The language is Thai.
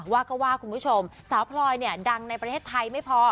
ว่าก็ว่าคุณผู้ชมสาวพลอยเนี่ยดังในประเทศไทยไม่พอ